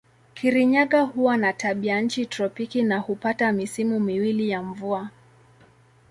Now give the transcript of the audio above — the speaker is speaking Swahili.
Kirinyaga huwa na tabianchi tropiki na hupata misimu miwili ya mvua.